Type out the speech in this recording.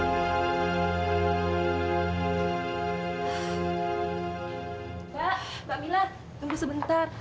mbak mila tunggu sebentar